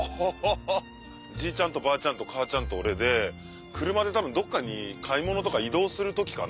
じいちゃんとばあちゃんと母ちゃんと俺で車でどっかに買い物とか移動する時かな。